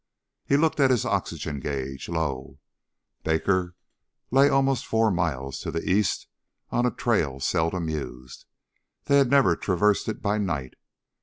He looked at his oxygen gauge. Low. Baker lay almost four miles to the east on a trail seldom used. They had never traversed it by night.